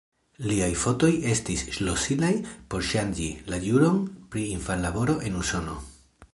Liaj fotoj estis ŝlosilaj por ŝanĝi la juron pri infanlaboro en Usono.